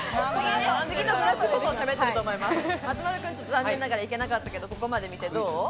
松丸君、いけなかったけど、ここまで見てどう？